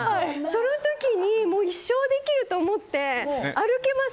その時にもう一生できると思って。